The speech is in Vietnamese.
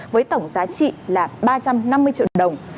với tổng giá trị là ba trăm năm mươi triệu đồng